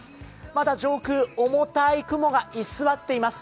まだ上空重たい雲が居座っています。